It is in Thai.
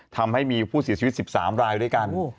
ทำให้มีผู้เสียชีวิต๑๓รายด้วยกัน